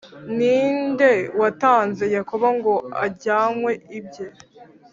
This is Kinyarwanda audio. Ni nde watanze Yakobo ngo anyagwe ibye,